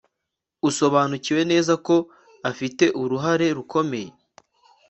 usobanukiwe neza ko afite uruhare rukomeye